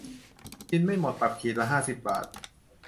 กินไม่หมด ปรับขีดละห้าสิบบาท